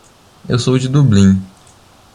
Eu sou de Dublin.